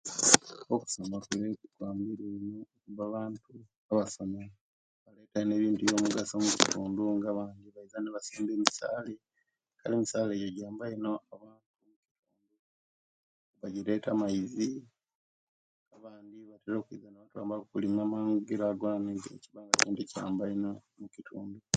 Okusoma kule kwambire ino kuba abantu abasomere balina ebintu ebyo'mugaso mukitundu nga abantu baiza nebasimba emisale kale emisale ejo jamba ino abantu ne jireta amaizi abandi batera okwiiza nebalima amangira ago kale nekyamba ino mukitundu